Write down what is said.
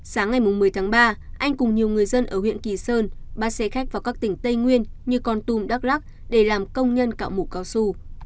sáng ngày một mươi tháng ba anh cùng nhiều người dân ở huyện kỳ sơn ba xe khách vào các tỉnh tây nguyên như con tum đắk lắc để làm công nhân cạo mũ cao su